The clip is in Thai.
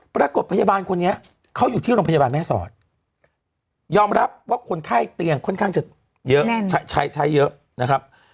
ปรากฏพยาบาลคนนี้เขาอยู่ที่โรงพยาบาลแม่สอดยอมรับว่าคนไข้เตียงค่อนข้างจะเยอะใช้ใช้เยอะนะครับ